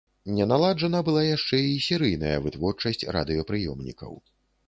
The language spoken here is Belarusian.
Не наладжана была яшчэ і серыйная вытворчасць радыёпрыёмнікаў.